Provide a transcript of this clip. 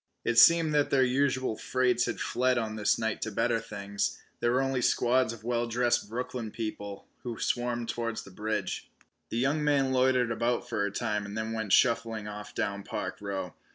It seemed that their usual freights had fled on this night to better things. There were only squads of well dressed Brooklyn people who swarmed towards the bridge. The young man loitered about for a time and then went shuffling off down Park Row.